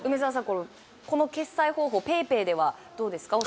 この決済方法ＰａｙＰａｙではどうですか？